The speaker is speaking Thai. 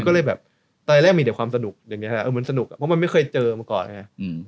ก็เลยแบบตอนแรกมีแต่ความสนุกอย่างนี้มันสนุกเพราะมันไม่เคยเจอมาก่อนไง